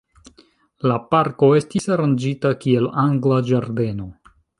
La parko estis aranĝita kiel angla ĝardeno.